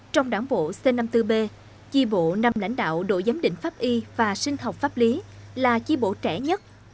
trong đảng bộ c năm mươi bốn b chi bộ năm lãnh đạo đội giám định pháp y và sinh học pháp lý là chi bộ trẻ nhất